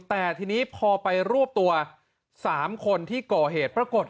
แต่ทีนี้พอไปรวบตัว๓คนที่ก่อเหตุปรากฏ